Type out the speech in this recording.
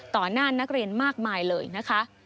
หน้านักเรียนมากมายเลยนะคะ